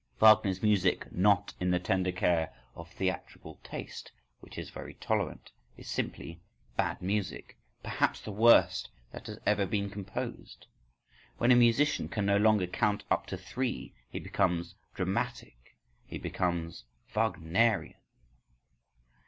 Wagner's music, not in the tender care of theatrical taste, which is very tolerant, is simply bad music, perhaps the worst that has ever been composed. When a musician can no longer count up to three, he becomes "dramatic," he becomes "Wagnerian".